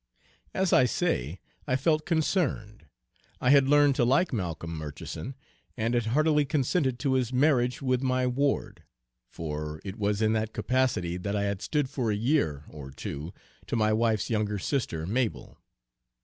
Page 197 As I say, I felt concerned. I had learned to like Malcolm Murchison, and had heartily consented to his marriage with my ward; for it was in that capacity that I had stood for a year or two to my wife's younger sister, Mabel.